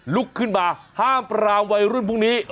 ลุกขึ้นมาห้ามปรามวัยรุ่นพวกนี้